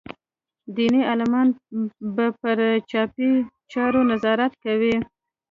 دیني عالمان به پر چاپي چارو نظارت کوي.